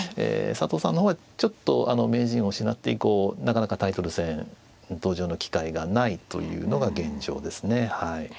佐藤さんの方はちょっと名人を失って以降なかなかタイトル戦登場の機会がないというのが現状ですねはい。